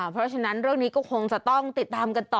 เพราะฉะนั้นเรื่องนี้ก็คงจะต้องติดตามกันต่อ